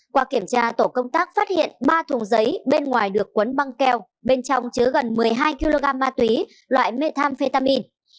qua kiểm tra tổ công tác phát hiện ba thùng giấy bên ngoài được quấn băng keo bên trong chứa gần một mươi hai kg ma túy loại methamphetamin